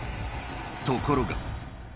ところが。